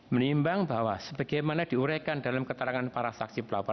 menimbang bahwa sebagaimana diuraikan dalam keterangan para saksi pelapor